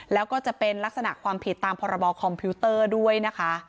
แล้วก็จะเป็นลักษณะความผิดตามพรบคอมพิวเตอร์ด้วยนะคะ